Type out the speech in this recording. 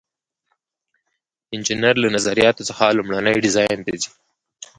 انجینر له نظریاتو څخه لومړني ډیزاین ته ځي.